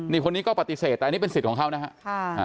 นี่คนนี้ก็ปฏิเสธแต่อันนี้เป็นสิทธิ์ของเขานะครับ